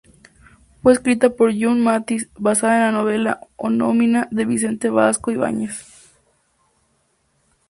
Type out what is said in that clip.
Fue escrita por June Mathis, basada en la novela homónima de Vicente Blasco Ibáñez.